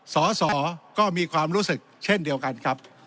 สอสอก็มีความรู้สึกเช่นเดียวกันครับ